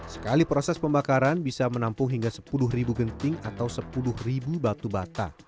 sekali proses pembakaran bisa menampung hingga sepuluh genting atau sepuluh ribu batu bata